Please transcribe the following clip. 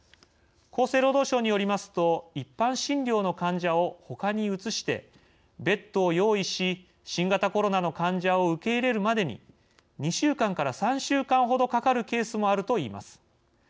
厚生労働省によりますと一般診療の患者をほかに移してベッドを用意し、新型コロナの患者を受け入れるまでに２週間から３週間ほどかかるケースもあるといいます。